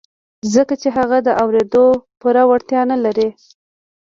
ځکه چې هغه د اورېدو پوره وړتيا نه لري.